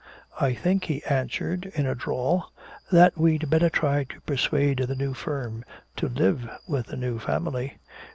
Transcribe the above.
"I think," he answered, in a drawl, "that we'd better try to persuade the new firm to live with the new family."